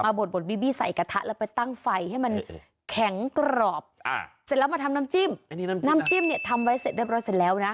บดบดบีบี้ใส่กระทะแล้วไปตั้งไฟให้มันแข็งกรอบเสร็จแล้วมาทำน้ำจิ้มน้ำจิ้มเนี่ยทำไว้เสร็จเรียบร้อยเสร็จแล้วนะ